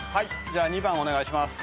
じゃあ２番お願いします。